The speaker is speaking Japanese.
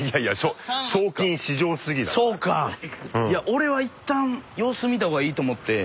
俺はいったん様子見た方がいいと思って。